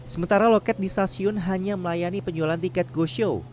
sementara loket di stasiun hanya melayani penjualan tiket go show